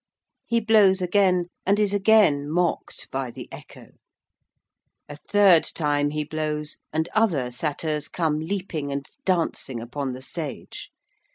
He blows again, and is again mocked by the Echo. A third time he blows, and other Satyrs come leaping and dancing upon the stage.